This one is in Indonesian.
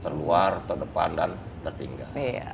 terluar terdepan dan tertinggal